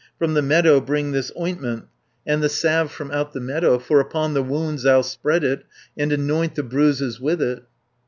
From the meadow bring this ointment, And the salve from out the meadow, For upon the wounds I'll spread it, And anoint the bruises with it."